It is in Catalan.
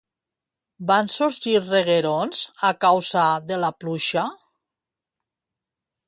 Van sorgir reguerons a causa de la pluja?